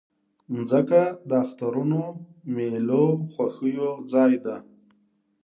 مځکه د اخترونو، میلو، خوښیو ځای ده.